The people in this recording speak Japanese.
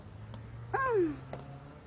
うん。